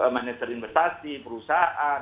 manajer investasi perusahaan